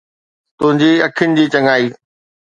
تنهنجي اکين جي چڱائي